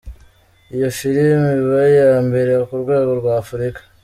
Iyo filime iba iya mbere ku rwego rw’ Afurika.